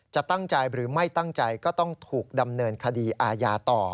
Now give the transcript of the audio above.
จะตั้งใจหรือไม่ตั้งใจก็ต้องถูกดำเนินคดีอาญาต่อ